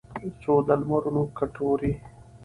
څو د لمرونو کټوري